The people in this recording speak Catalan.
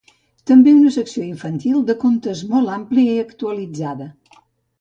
També una secció infantil de contes molt àmplia i actualitzada.